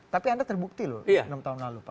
tapi anda terbukti loh enam tahun lalu pak